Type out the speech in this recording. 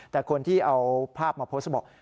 แต่คนที่เอาภาพมาโพสต์บอก